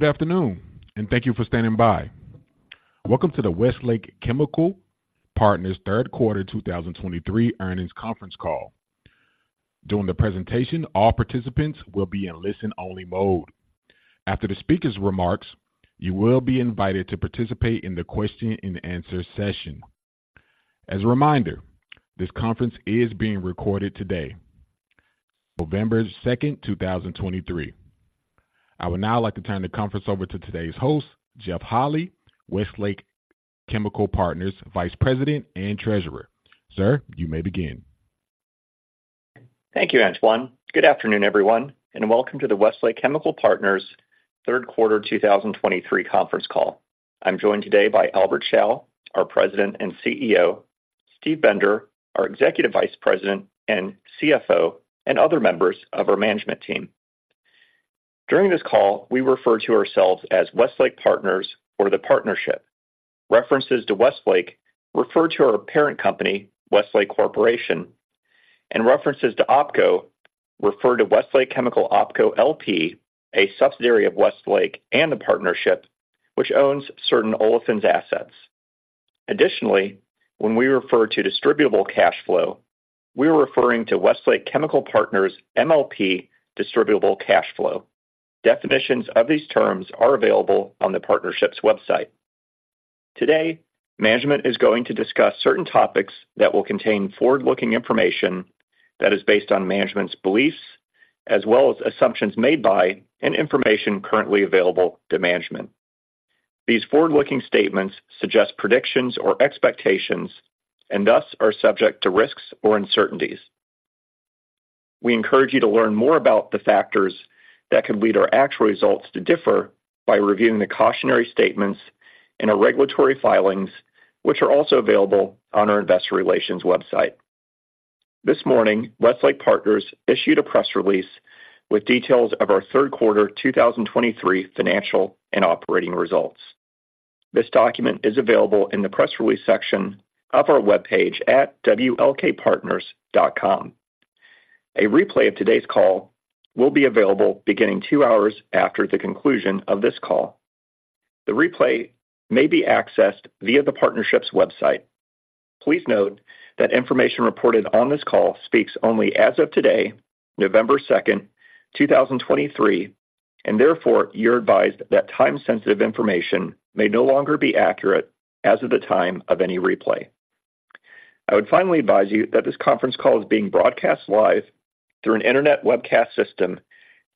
Good afternoon, and thank you for standing by. Welcome to the Westlake Chemical Partners 3Q 2023 earnings conference call. During the presentation, all participants will be in listen-only mode. After the speaker's remarks, you will be invited to participate in the question-and-answer session. As a reminder, this conference is being recorded today, November 2, 2023. I would now like to turn the conference over to today's host, Jeff Holy, Westlake Chemical Partners Vice President and Treasurer. Sir, you may begin. Thank you, Antoine. Good afternoon, everyone, and welcome to the Westlake Chemical Partners 3Q 2023 conference call. I'm joined today by Albert Chao, our President and CEO, Steve Bender, our Executive Vice President and CFO, and other members of our management team. During this call, we refer to ourselves as Westlake Partners or the Partnership. References to Westlake refer to our parent company, Westlake Corporation, and references to OpCo refer to Westlake Chemical OpCo LP, a subsidiary of Westlake and the Partnership, which owns certain olefins assets. Additionally, when we refer to distributable cash flow, we are referring to Westlake Chemical Partners MLP distributable cash flow. Definitions of these terms are available on the Partnership's website. Today, management is going to discuss certain topics that will contain forward-looking information that is based on management's beliefs as well as assumptions made by and information currently available to management. These forward-looking statements suggest predictions or expectations and thus are subject to risks or uncertainties. We encourage you to learn more about the factors that could lead our actual results to differ by reviewing the cautionary statements in our regulatory filings, which are also available on our investor relations website. This morning, Westlake Partners issued a press release with details of our 3Q 2023 financial and operating results. This document is available in the press release section of our webpage at wlkpartners.com. A replay of today's call will be available beginning 2 hours after the conclusion of this call. The replay may be accessed via the Partnership's website. Please note that information reported on this call speaks only as of today,2 November, 2023, and therefore you're advised that time-sensitive information may no longer be accurate as of the time of any replay. I would finally advise you that this conference call is being broadcast live through an internet webcast system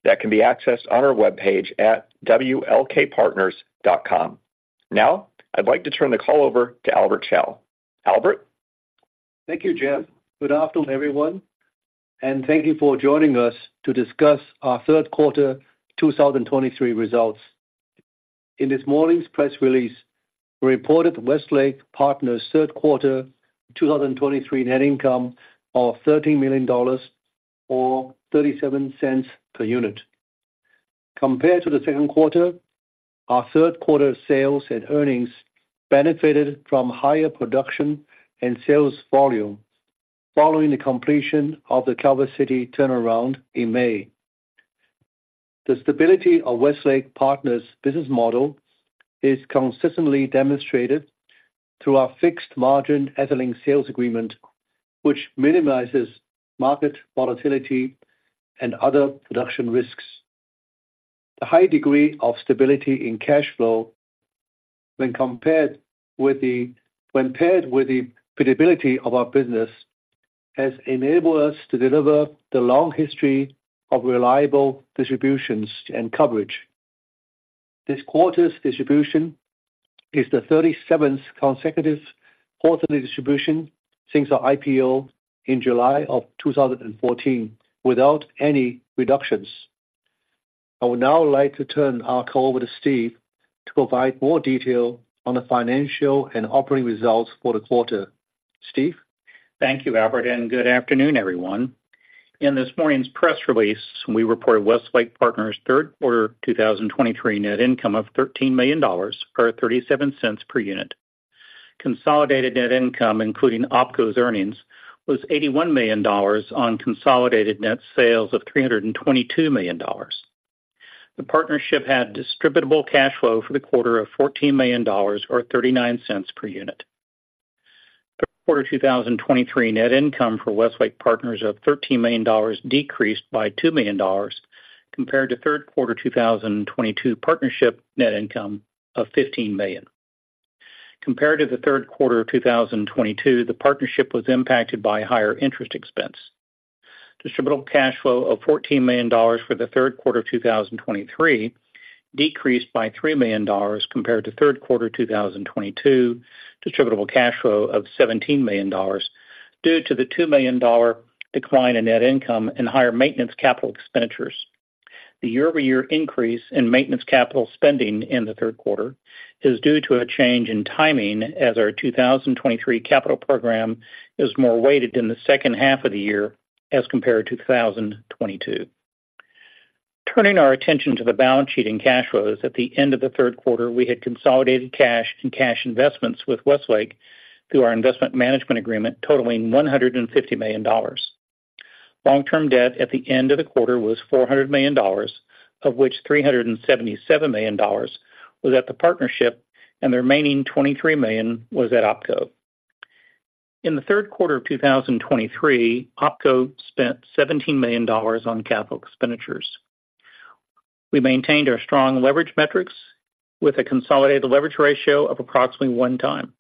that can be accessed on our webpage at wlkpartners.com. Now, I'd like to turn the call over to Albert Chao. Albert? Thank you, Jeff. Good afternoon, everyone, and thank you for joining us to discuss our 3Q 2023 results. In this morning's press release, we reported Westlake Partners' 3Q 2023 net income of $13 million or $0.37 per unit. Compared to the second quarter, our 3Q sales and earnings benefited from higher production and sales volume following the completion of the Calvert City turnaround in May. The stability of Westlake Partners' business model is consistently demonstrated through our fixed-margin ethylene sales agreement, which minimizes market volatility and other production risks. The high degree of stability in cash flow when paired with the predictability of our business has enabled us to deliver the long history of reliable distributions and coverage. This quarter's distribution is the 37th consecutive quarterly distribution since our IPO in July 2014, without any reductions. I would now like to turn our call over to Steve to provide more detail on the financial and operating results for the quarter. Steve? Thank you, Albert, and good afternoon, everyone. In this morning's press release, we reported Westlake Partners' 3Q 2023 net income of $13 million, or $0.37 per unit. Consolidated net income, including OpCo's earnings, was $81 million on consolidated net sales of $322 million. The Partnership had distributable cash flow for the quarter of $14 million or $0.39 per unit. The quarter 2023 net income for Westlake Partners of $13 million decreased by $2 million compared to 3Q 2022 Partnership net income of $15 million. Compared to the 3Q of 2022, the Partnership was impacted by higher interest expense. Distributable cash flow of $14 million for the 3Q of 2023 decreased by $3 million compared to 3Q 2022 distributable cash flow of $17 million, due to the $2 million decline in net income and higher maintenance capital expenditures. The year-over-year increase in maintenance capital spending in the 3Q is due to a change in timing, as our 2023 capital program is more weighted in the H2 of the year as compared to 2022. Turning our attention to the balance sheet and cash flows, at the end of the 3Q, we had consolidated cash and cash investments with Westlake through our investment management agreement, totaling $150 million.... Long-term debt at the end of the quarter was $400 million, of which $377 million was at the partnership, and the remaining $23 million was at OpCo. In the 3Q of 2023, OpCo spent $17 million on capital expenditures. We maintained our strong leverage metrics with a consolidated leverage ratio of approximately 1x.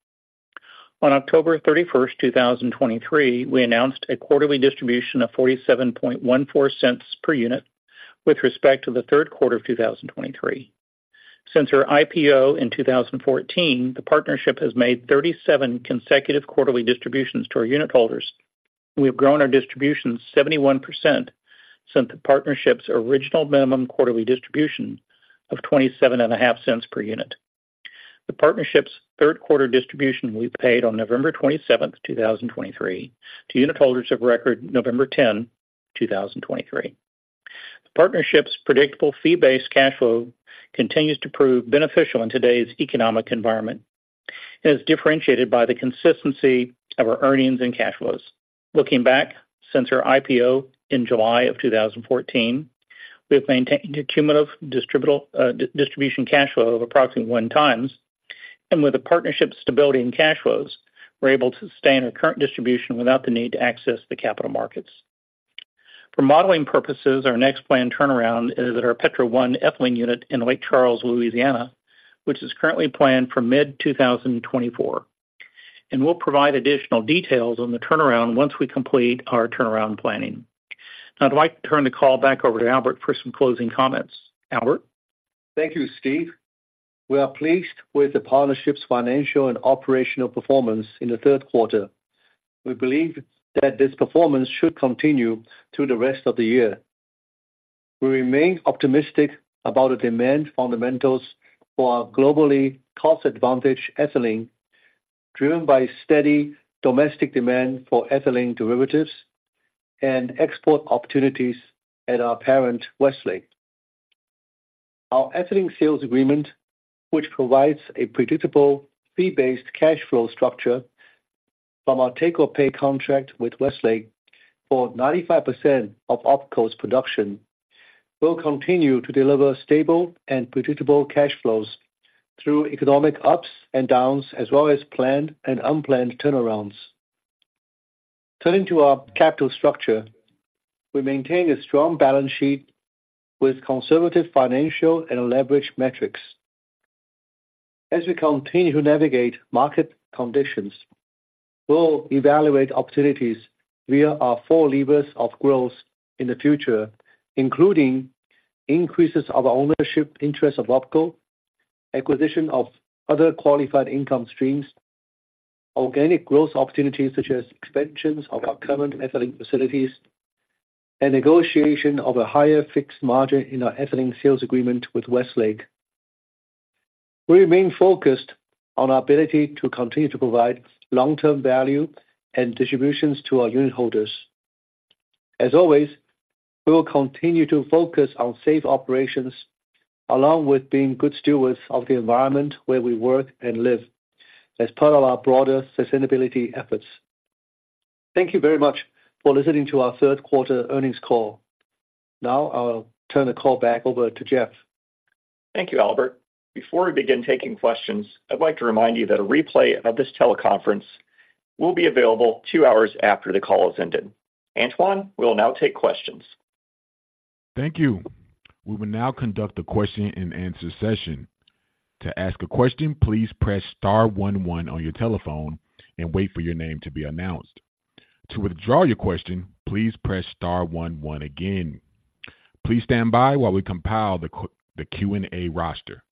On October 31, 2023, we announced a quarterly distribution of $0.4714 per unit with respect to the 3Q of 2023. Since our IPO in 2014, the partnership has made 37 consecutive quarterly distributions to our unit holders. We have grown our distributions 71% since the partnership's original minimum quarterly distribution of $0.275 per unit. The partnership's 3Q distribution will be paid on 27 November, 2023, to unitholders of record 10, November 2023. The partnership's predictable fee-based cash flow continues to prove beneficial in today's economic environment and is differentiated by the consistency of our earnings and cash flows. Looking back, since our IPO in July 2014, we have maintained a cumulative distributable cash flow of approximately 1x, and with the partnership's stability and cash flows, we're able to sustain our current distribution without the need to access the capital markets. For modeling purposes, our next planned turnaround is at our Petro 1 ethylene unit in Lake Charles, Louisiana, which is currently planned for mid-2024. We'll provide additional details on the turnaround once we complete our turnaround planning. Now, I'd like to turn the call back over to Albert for some closing comments. Albert? Thank you, Steve. We are pleased with the partnership's financial and operational performance in the 3Q. We believe that this performance should continue through the rest of the year. We remain optimistic about the demand fundamentals for our globally cost-advantaged ethylene, driven by steady domestic demand for ethylene derivatives and export opportunities at our parent, Westlake. Our ethylene sales agreement, which provides a predictable, fee-based cash flow structure from our take-or-pay contract with Westlake for 95% of OpCo's production, will continue to deliver stable and predictable cash flows through economic ups and downs, as well as planned and unplanned turnarounds. Turning to our capital structure, we maintain a strong balance sheet with conservative financial and leverage metrics. As we continue to navigate market conditions, we'll evaluate opportunities via our four levers of growth in the future, including increases of our ownership interest of OpCo, acquisition of other qualified income streams, organic growth opportunities, such as expansions of our current ethylene facilities, and negotiation of a higher fixed margin in our ethylene sales agreement with Westlake. We remain focused on our ability to continue to provide long-term value and distributions to our unitholders. As always, we will continue to focus on safe operations, along with being good stewards of the environment where we work and live as part of our broader sustainability efforts. Thank you very much for listening to our 3Q earnings call. Now I'll turn the call back over to Jeff. Thank you, Albert. Before we begin taking questions, I'd like to remind you that a replay of this teleconference will be available two hours after the call has ended. Antoine, we'll now take questions. Thank you. We will now conduct a question-and-answer session. To ask a question, please press star one, one on your telephone and wait for your name to be announced. To withdraw your question, please press star one, one again. Please stand by while we compile the Q&A roster.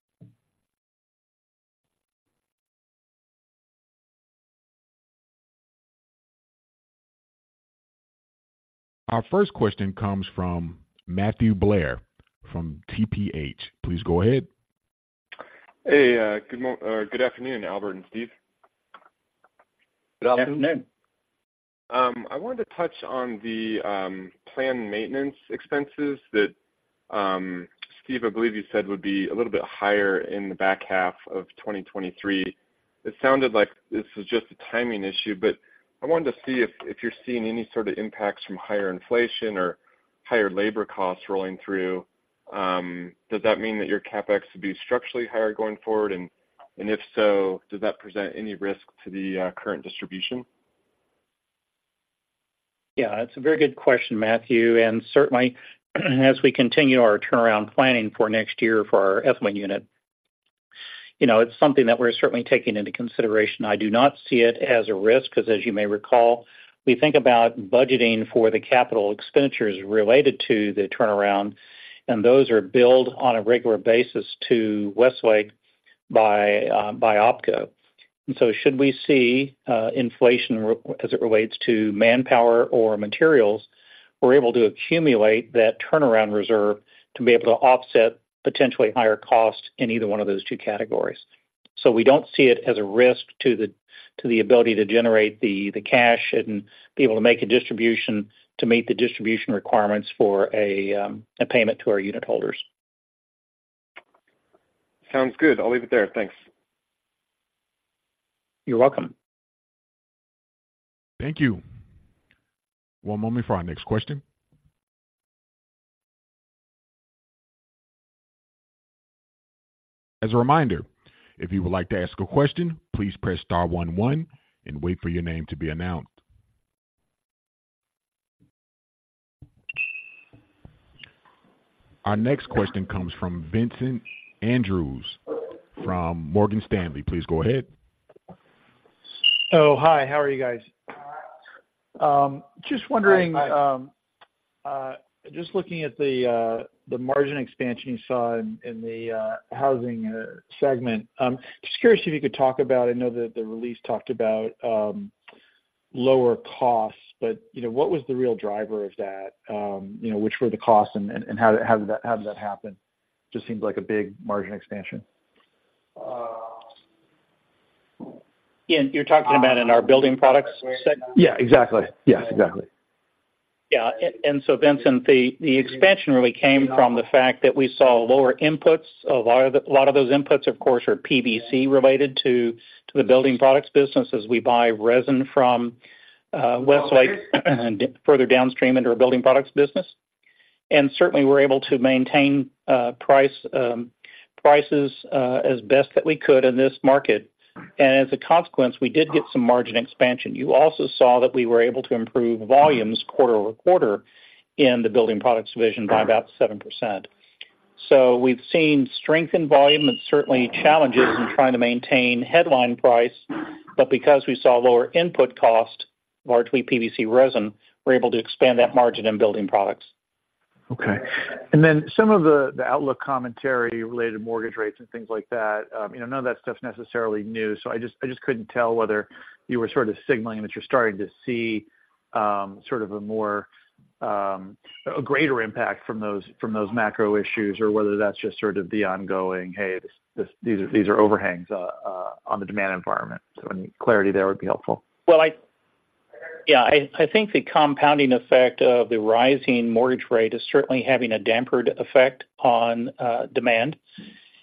Our first question comes from Matthew Blair from TPH. Please go ahead. Hey, good afternoon, Albert and Steve. Good afternoon. Afternoon. I wanted to touch on the planned maintenance expenses that, Steve, I believe you said would be a little bit higher in the back half of 2023. It sounded like this is just a timing issue, but I wanted to see if, if you're seeing any sort of impacts from higher inflation or higher labor costs rolling through, does that mean that your CapEx would be structurally higher going forward? And, and if so, does that present any risk to the current distribution? Yeah, that's a very good question, Matthew, and certainly, as we continue our turnaround planning for next year for our ethylene unit, you know, it's something that we're certainly taking into consideration. I do not see it as a risk because, as you may recall, we think about budgeting for the capital expenditures related to the turnaround, and those are billed on a regular basis to Westlake by OpCo. And so should we see inflation, as it relates to manpower or materials, we're able to accumulate that turnaround reserve to be able to offset potentially higher costs in either one of those 2 categories. So we don't see it as a risk to the ability to generate the cash and be able to make a distribution to meet the distribution requirements for a payment to our unitholders. Sounds good. I'll leave it there. Thanks. You're welcome. Thank you. One moment for our next question. As a reminder, if you would like to ask a question, please press star one one and wait for your name to be announced. Our next question comes from Vincent Andrews from Morgan Stanley. Please go ahead. Oh, hi. How are you guys? Just wondering, just looking at the margin expansion you saw in the housing segment. Just curious if you could talk about... I know that the release talked about lower costs, but, you know, what was the real driver of that? You know, which were the costs and how did that happen? Just seems like a big margin expansion. You're talking about in our building products segment? Yeah, exactly. Yes, exactly. Yeah. And so Vincent, the expansion really came from the fact that we saw lower inputs. A lot of those inputs, of course, are PVC related to the building products business, as we buy resin from Westlake and further downstream into our building products business. And certainly we're able to maintain price prices as best that we could in this market. And as a consequence, we did get some margin expansion. You also saw that we were able to improve volumes quarter-over-quarter in the building products division by about 7%. So we've seen strength in volume and certainly challenges in trying to maintain headline price. But because we saw lower input cost, largely PVC resin, we're able to expand that margin in building products. Okay. And then some of the outlook commentary related to mortgage rates and things like that, you know, none of that stuff's necessarily new, so I just couldn't tell whether you were sort of signaling that you're starting to see sort of a more a greater impact from those from those macro issues, or whether that's just sort of the ongoing, "Hey, this these are overhangs on the demand environment." So any clarity there would be helpful. Well, yeah, I think the compounding effect of the rising mortgage rate is certainly having a dampened effect on demand.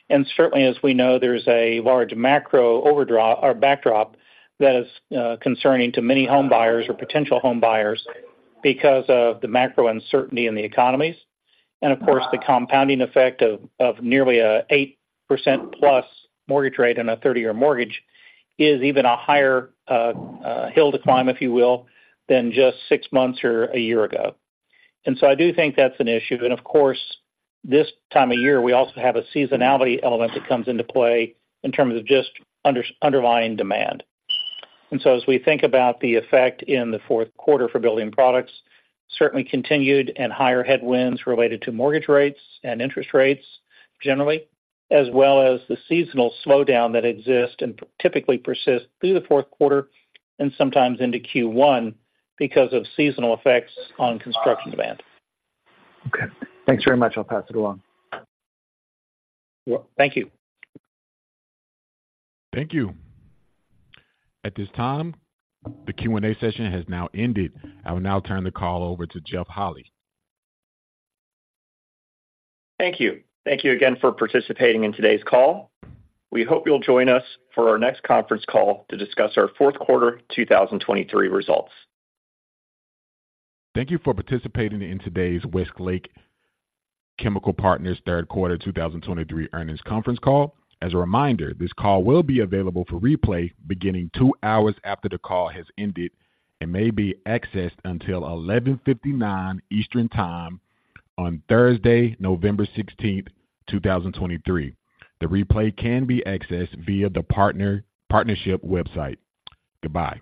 And certainly, as we know, there's a large macro overdraw or backdrop that is concerning to many homebuyers or potential homebuyers because of the macro uncertainty in the economies. And of course, the compounding effect of nearly an 8%+ mortgage rate on a 30-year mortgage is even a higher hill to climb, if you will, than just 6 months or a year ago. And so I do think that's an issue. And of course, this time of year, we also have a seasonality element that comes into play in terms of just underlying demand. And so as we think about the effect in the 4Q for building products, certainly continued and higher headwinds related to mortgage rates and interest rates generally, as well as the seasonal slowdown that exists and typically persists through the 4Q and sometimes into Q1 because of seasonal effects on construction demand. Okay. Thanks very much. I'll pass it along. Well, thank you. Thank you. At this time, the Q&A session has now ended. I will now turn the call over to Jeff Holy. Thank you. Thank you again for participating in today's call. We hope you'll join us for our next conference call to discuss our 4Q 2023 results. Thank you for participating in today's Westlake Chemical Partners 3Q 2023 earnings conference call. As a reminder, this call will be available for replay beginning 2 hours after the call has ended and may be accessed until 11:59 Eastern Time on Thursday, 16 November, 2023. The replay can be accessed via the partnership website. Goodbye.